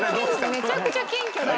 めちゃくちゃ謙虚だわ